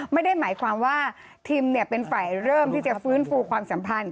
ไม่ได้หมายความว่าทิมเป็นฝ่ายเริ่มที่จะฟื้นฟูความสัมพันธ